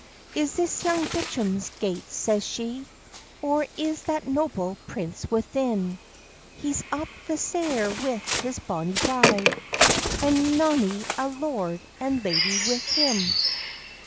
"Is this Young Bicham's gates?" says she. "Or is that noble prince within?" "He's up the stair wi his bonny bride, An monny a lord and lady wi him."